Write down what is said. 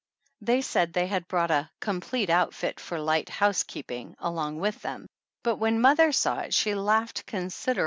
They said they had brought a "complete outfit for light housekeeping" along with them, but when mother saw it she laughed considerable on.